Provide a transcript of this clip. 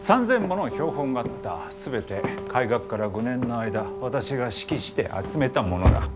全て開学から５年の間私が指揮して集めたものだ。